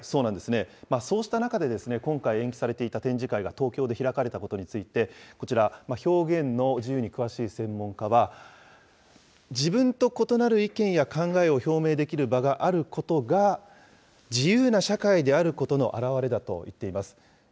そうした中で、今回延期されていた展示会が東京で開かれたことについて、こちら、表現の自由に詳しい専門家は、自分と異なる意見や考えを表明できる場があることが、自由な社会であることの表れだと言っています。